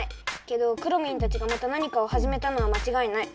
けどくろミンたちがまた何かをはじめたのはまちがいない。